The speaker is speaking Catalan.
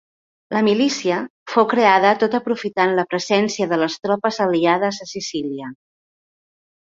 La milícia fou creada tot aprofitant la presència de les tropes aliades a Sicília.